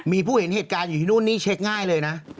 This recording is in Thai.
มีผู้เห็นเหตุการณ์อยู่ที่นู่นนี่เช็คง่ายเลยนะ